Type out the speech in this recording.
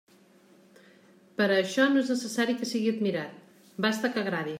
Per a això no és necessari que sigui admirat, basta que agradi.